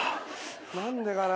何でかな？